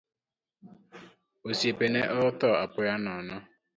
Osiepene ne otho apoya nono.